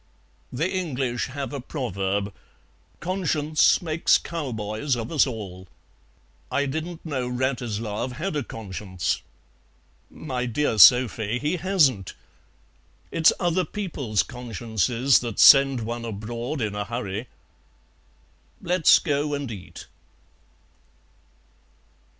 "The English have a proverb, 'Conscience makes cowboys of us all.'" "I didn't know Wratislav had a conscience." "My dear Sophie, he hasn't. It's other people's consciences that send one abroad in a hurry. Let's go and eat."